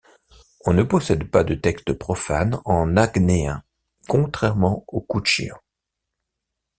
On ne possède pas de texte profane en agnéen, contrairement au koutchéen.